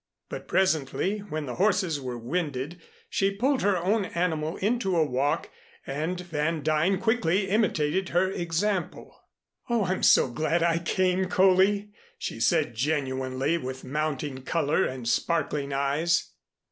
But presently when the horses were winded, she pulled her own animal into a walk and Van Duyn quickly imitated her example. "Oh, I'm so glad I came, Coley," she said genuinely, with mounting color and sparkling eyes.